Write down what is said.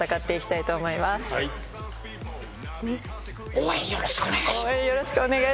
応援よろしくお願いします。